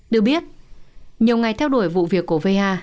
được biết nhiều ngày theo đuổi vụ việc của vea